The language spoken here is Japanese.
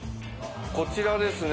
こちらですね。